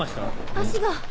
足が。